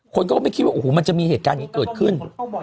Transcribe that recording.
คนก็ไม่คิดว่าโอ้โหมันจะมีเหตุการณ์อย่างนี้เกิดขึ้น